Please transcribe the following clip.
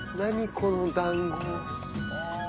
この団子。